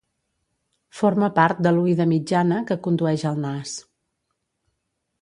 Forma part de l'oïda mitjana, que condueix al nas.